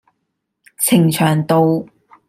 呈祥道